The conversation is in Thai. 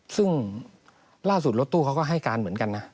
ซึ่งล่าสุดรถตู้เขาก็ให้การเหมือนกันนะ